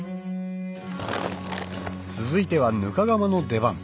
続いてはぬか釜の出番